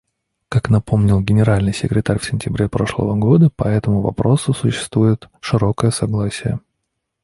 Как напомнил Генеральный секретарь в сентябре прошлого года, по этому вопросу существует широкое согласие.